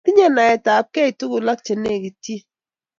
tinyei naet ap kei tukul ak chelekityini